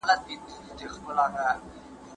د غوړیو تولید اوس مهال روان دی.